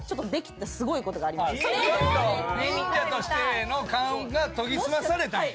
ちょっと忍者としての勘が研ぎ澄まされたんや。